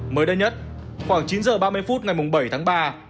mới đây nhất khoảng chín h ba mươi phút ngày bảy tháng ba